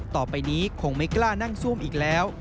ต่อไปนี้คงไม่กล้านั่งซ่วมอีกแล้ว